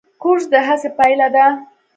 کورس د هڅې پایله ده.